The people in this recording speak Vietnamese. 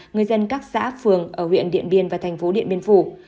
người dân các xã phường ở huyện điện biên và thành phố điện biên phủ